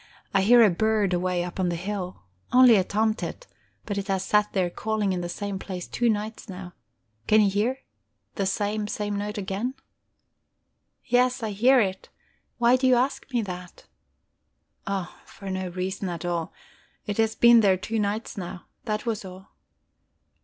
I hear a bird away up on the hill only a tomtit, but it has sat there calling in the same place two nights now. Can you hear the same, same note again?" "Yes, I hear it. Why do you ask me that?" "Oh, for no reason at all. It has been there two nights now. That was all...